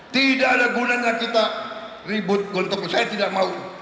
tidak ada gunanya kita ribut gontok saya tidak mau